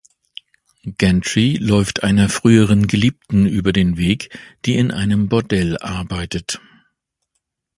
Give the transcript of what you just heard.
Gantry läuft einer früheren Geliebten über den Weg, die in einem Bordell arbeitet.